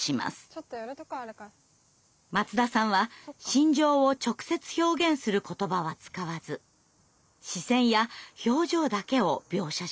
松田さんは心情を直接表現する言葉は使わず視線や表情だけを描写しました。